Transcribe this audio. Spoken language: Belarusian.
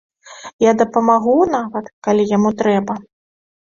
Я дапамагу нават, калі яму трэба.